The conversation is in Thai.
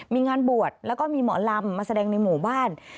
มีงานบวชแล้วก็มีหมอลำมาแสดงในหมู่บ้าน